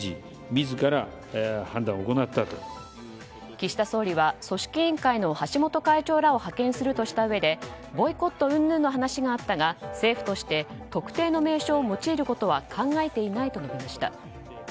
岸田総理は組織委員会の橋本会長らを派遣するとしたうえでボイコットうんぬんの話があったが政府として特定の名称を用いることは考えていないと述べました。